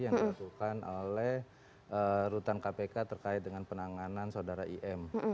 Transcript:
yang dilakukan oleh rutan kpk terkait dengan penanganan saudara im